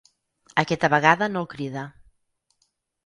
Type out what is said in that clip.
Aquesta vegada no el crida.